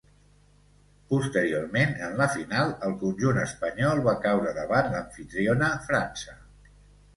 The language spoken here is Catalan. Posteriorment, en la final, el conjunt espanyol va caure davant l'amfitriona França.